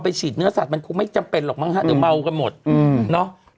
ฉีดเนื้อสัตวมันคงไม่จำเป็นหรอกมั้งฮะเดี๋ยวเมากันหมดอืมเนาะ